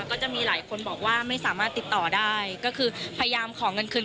ก็จะมีหลายคนบอกว่าไม่สามารถติดต่อได้ก็คือพยายามขอเงินคืน